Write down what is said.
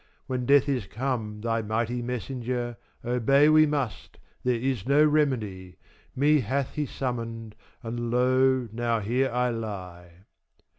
4 When Death is come thy mighty messenger, Obey we must, there is no remedy, Me hath he summoned, and lo now here I lie.